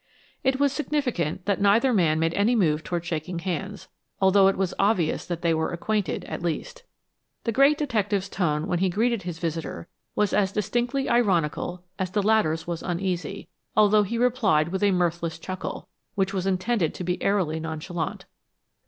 It was significant that neither man made any move toward shaking hands, although it was obvious that they were acquainted, at least. The great detective's tone when he greeted his visitor was as distinctly ironical as the latter's was uneasy, although he replied with a mirthless chuckle, which was intended to be airily nonchalant.